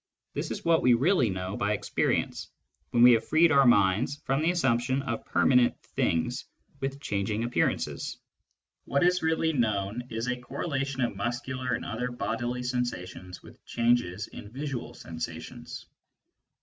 This is what we really know by experience, when we have freed our minds from the assumption of permanent "things" with changing appearances. What is really known is a correlation of muscular and other bodily sensations with changes in visual sensations.